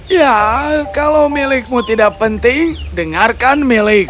ya kalau milikmu tidak penting dengarkan milikku